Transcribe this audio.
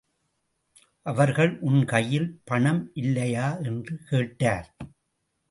அவர்கள் உன் கையில் பணம் இல்லையா என்று கேட்டார்.